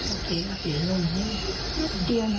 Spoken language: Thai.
โอเคเอาเปลี่ยนลงให้